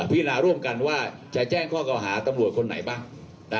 พิจารณาร่วมกันว่าจะแจ้งข้อเก่าหาตำรวจคนไหนบ้าง